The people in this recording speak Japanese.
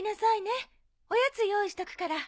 おやつ用意しとくから。